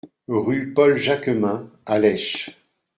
Rue Paul Jacquemin à Lesches